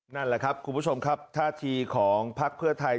นั่นแหละครับคุณผู้ชมครับท่าทีของพักเพื่อไทย